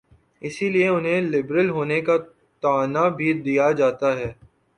اسی لیے انہیں لبرل ہونے کا طعنہ بھی دیا جاتا ہے۔